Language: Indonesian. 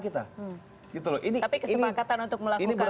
tapi kesepakatan untuk melakukan